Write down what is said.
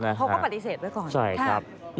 เขาก็ปฏิเสธไว้ก่อน